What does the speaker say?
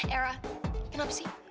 ewa kenapa sih